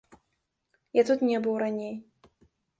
Я тут не быў раней.